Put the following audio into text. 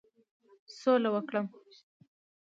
سوله وکړم.